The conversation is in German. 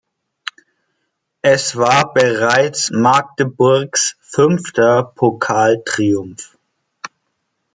Es war bereits Magdeburgs fünfter Pokaltriumph.